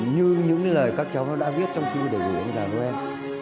như những lời các cháu đã viết trong chư đề nghị ông già noel